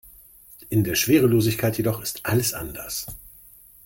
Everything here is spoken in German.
In der Schwerelosigkeit jedoch ist alles anders.